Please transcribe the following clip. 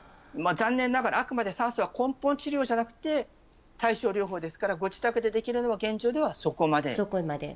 あくまで酸素は根本治療じゃなくて対症療法ですからご自宅でできるのは現状ではそこまで。